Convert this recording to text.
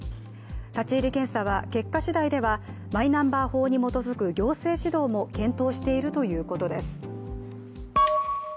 立ち入り検査は結果しだいではマイナンバー法に基づく行政指導も検討しているということです。